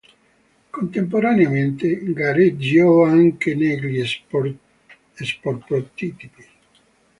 Contemporaneamente gareggiò anche negli sportprototipi.